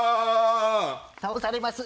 倒されます。